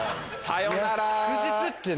さよなら！